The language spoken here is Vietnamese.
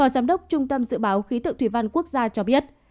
giám đốc trung tâm dự báo khí tượng thủy văn quốc gia cho biết